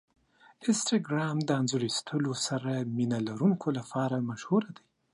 انسټاګرام د انځور ایستلو سره مینه لرونکو لپاره مشهور دی.